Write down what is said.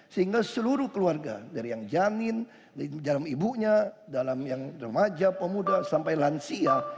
sehingga seluruh keluarga dari yang janin dalam ibunya dalam yang remaja pemuda sampai lansia